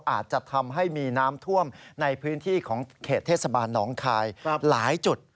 อาจจะทำให้มีน้ำท่วมในพื้นที่ของเขตเทศบาลหนองคายหลายจุด